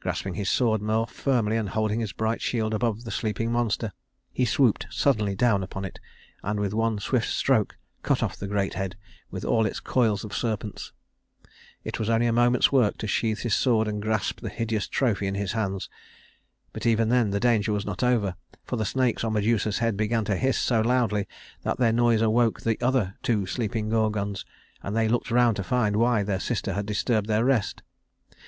Grasping his sword more firmly and holding his bright shield above the sleeping monster, he swooped suddenly down upon it, and with one swift stroke cut off the great head with all its coils of serpents. It was only a moment's work to sheathe his sword and grasp the hideous trophy in his hands; but even then the danger was not over, for the snakes on Medusa's head began to hiss so loudly that their noise awoke the other two sleeping Gorgons, and they looked around to find why their sister had disturbed their rest.